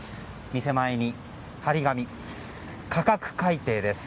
店前に貼り紙、価格改定です。